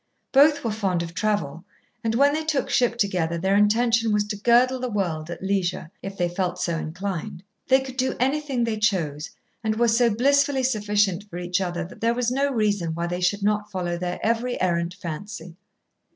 Both were fond of travel, and when they took ship together their intention was to girdle the world at leisure, if they felt so inclined. They could do anything they chose, and were so blissfully sufficient for each other that there was no reason why they should not follow their every errant fancy.